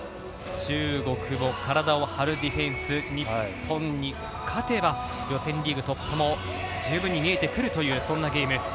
中国の体を張るディフェンス、日本に勝てば予選リーグ突破も十分に見えてくるというゲーム。